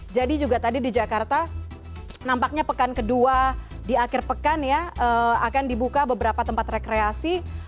jadi juga tadi di jakarta nampaknya pekan ke dua di akhir pekan ya akan dibuka beberapa tempat rekreasi